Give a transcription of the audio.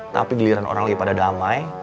tapi di lirik orang lagi pada damai